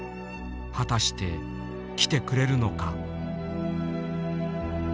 はたして来てくれるのか。